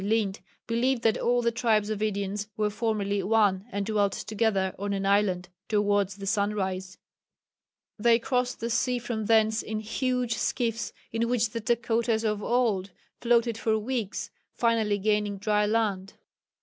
Lind, believed that "all the tribes of Indians were formerly one and dwelt together on an island ... towards the sunrise." They crossed the sea from thence "in huge skiffs in which the Dakotas of old floated for weeks, finally gaining dry land."